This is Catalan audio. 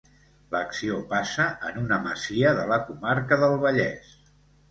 L'acció passa en una masia de la comarca del Vallès.